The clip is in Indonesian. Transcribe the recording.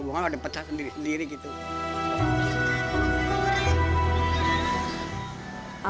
namun ia paksakan diri untuk bekerja lantaran berbagai kebutuhan sehatnya